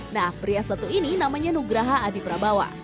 nah pria satu ini namanya nugraha adi prabawa